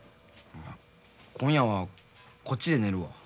今夜はこっちで寝るわ。